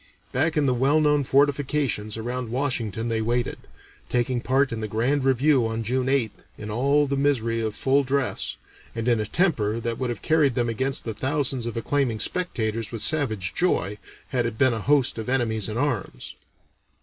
Back in the well known fortifications around Washington they waited, taking part in the Grand Review on June 8th, in all the misery of full dress, and in a temper that would have carried them against the thousands of acclaiming spectators with savage joy, had it been a host of enemies in arms.